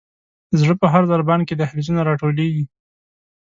د زړه په هر ضربان کې دهلیزونه را ټولیږي.